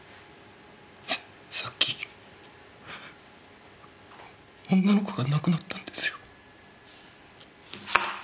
さっき、女の子が亡くなったんですよ。